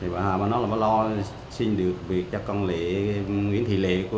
bà hà bà nói là bà lo xin được việc cho con nguyễn thị lệ